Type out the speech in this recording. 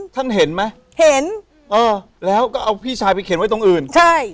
ท่านเห็นไหมเห็นเออแล้วก็เอาพี่ชายไปเขียนไว้ตรงอื่นใช่